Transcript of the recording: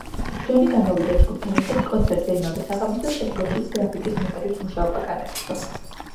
ჯონი გამოვიდა ჯგუფთან ერთად კონცერტზე იმავე საღამოს და შემდგომშიც გრაფიკის მიხედვით მუშაობა განაგრძო.